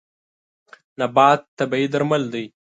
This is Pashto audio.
نبات طبیعي درمل دی.